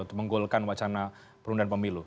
untuk menggolkan wacana penundaan pemilu